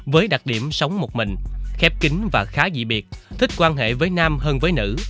với đặc điểm sống một mình khép kính và khá dị biệt thích quan hệ với nam hơn với nữ